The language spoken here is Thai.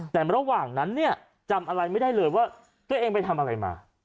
แต่ระหว่างนั้นเนี่ยจำอะไรไม่ได้เลยว่าตัวเองไปทำอะไรมา